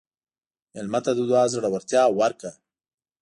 مېلمه ته د دعا زړورتیا ورکړه.